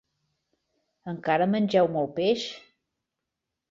Encara mengeu molt peix?